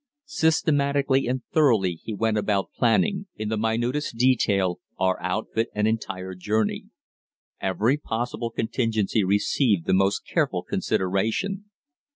Systematically and thoroughly he went about planning, in the minutest detail, our outfit and entire journey. Every possible contingency received the most careful consideration.